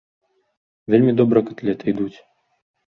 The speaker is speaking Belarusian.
Вельмі добра катлеты ідуць.